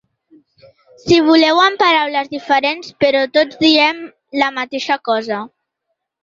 Si voleu, amb paraules diferents, però tots diem la mateixa cosa.